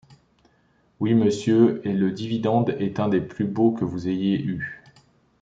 Oui, monsieur, et le dividende est un des plus beaux que vous ayez eus.